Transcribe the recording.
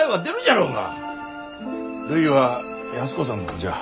るいは安子さんの子じゃ。